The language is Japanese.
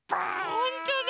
ほんとだ！